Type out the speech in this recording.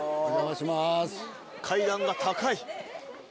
階段が高い。